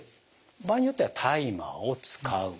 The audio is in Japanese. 場合によってはタイマーを使う。